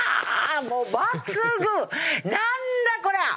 もう抜群何だこら